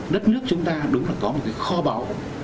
đất nước chúng ta đúng là có một cái kho báu